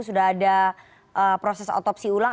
sudah ada proses otopsi ulang